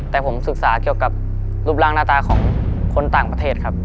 แต่ผมศึกษาเกี่ยวกับรูปร่างหน้าตาของคนต่างประเทศครับ